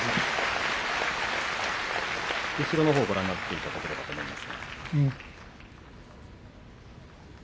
後ろのほうをご覧になっていただければと思います。